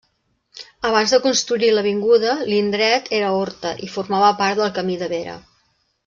Abans de construir-hi l'avinguda, l'indret era horta, i formava part del Camí de Vera.